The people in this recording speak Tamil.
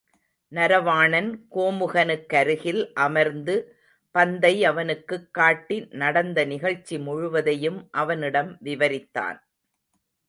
நரவாணன் கோமுகனுக்கருகில் அமர்ந்து பந்தை, அவனுக்குக் காட்டி நடந்த நிகழ்ச்சி முழுவதையும் அவனிடம் விவரித்தான்.